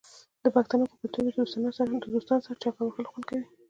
د پښتنو په کلتور کې د دوستانو سره چکر وهل خوند کوي.